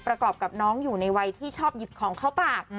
ประกอบกับน้องอยู่ในวัยที่ชอบหยิบของเข้าปาก